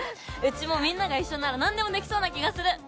うちもみんなが一緒なら何でもできそうな気がする。